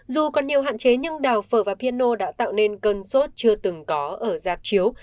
dù còn nhiều hạn chế nhưng đào phở và piano đã tạo nên cơn sốt chưa từng có ở dạp chiếu